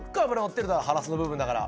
ハラスの部分だから。